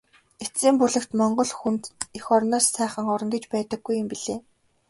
Эцсийн бүлэгт Монгол хүнд эх орноос сайхан орон гэж байдаггүй юм билээ.